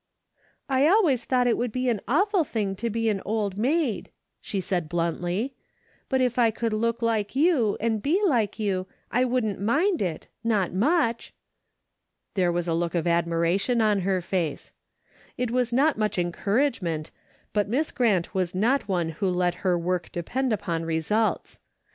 " I always thought it would be an awful thing to be an old maid," she said, bluntly, " but if I could look like you, and be like you, I would n't mind it — not much !" There was a look of admiration on her face. It was not much en DAILY RATEA'> 295 couragement, but Miss Grant was not one who let her work depend upon results.